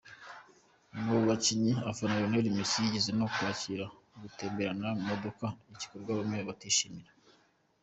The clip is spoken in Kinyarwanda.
Mu bakinnyi afana Lionel Messi yigeze no kwakira bagatemberana mu modoka, igikorwa bamwe batishimiye.